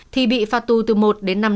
thì bị phạt tù từ một đến năm năm